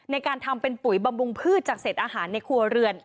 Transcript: ในการทำเป็นปุ๋ยบำรุงพืชจากเศษอาหารในครัวเรือน